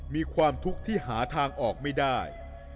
มีความทุกข์ที่หาทางออกไม่ได้